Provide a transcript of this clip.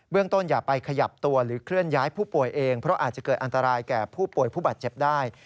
ต้นอย่าไปขยับตัวหรือเคลื่อนย้ายผู้ป่วยเองเพราะอาจจะเกิดอันตรายแก่ผู้ป่วยผู้บาดเจ็บได้